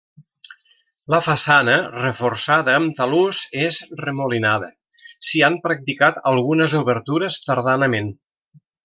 La façana, reforçada amb talús, és remolinada; s'hi ha practicat algunes obertures tardanament.